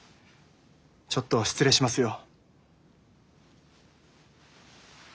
ちょっと失礼しますよ。